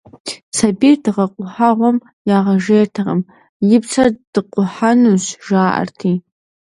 Сабийр дыгъэ къухьэгъуэм ягъэжейртэкъым, и псэр дыкъухьэнущ, жаӀэрти.